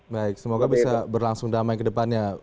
baik semoga bisa berlangsung damai ke depannya